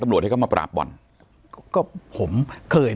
ปากกับภาคภูมิ